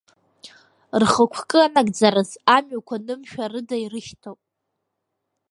Рхықәкы анагӡараз, амҩақәа нымшәарыда ирышьҭоуп.